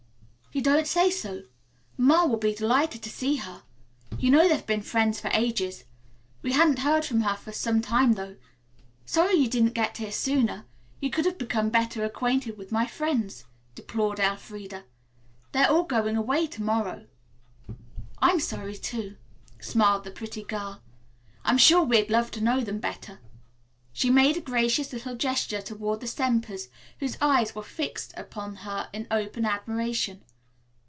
"You don't say so. Ma will be delighted to see her. You know they've been friends for ages. We hadn't heard from her for some time, though. Sorry you didn't get here sooner. You could have become better acquainted with my friends," deplored Elfreda. "They are all going away to morrow." "I'm sorry, too," smiled the pretty girl. "I'm sure we'd love to know them better." She made a gracious little gesture toward the Sempers, whose eyes were fixed upon her in open admiration.